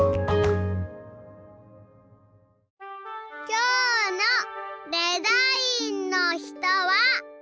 きょうの「デザインの人」は。